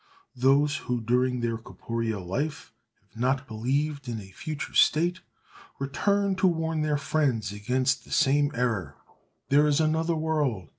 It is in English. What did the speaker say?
Those who, during their corporeal life, have not believed in a future state, return to warn their friends against the same error. "There is another world!"